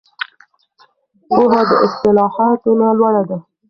پوهه د اصطلاحاتو نه لوړه ده.